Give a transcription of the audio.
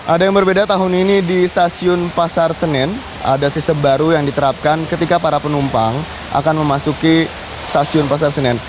ada yang berbeda tahun ini di stasiun pasar senen ada sistem baru yang diterapkan ketika para penumpang akan memasuki stasiun pasar senen